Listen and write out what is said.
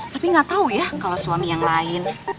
tapi nggak tahu ya kalau suami yang lain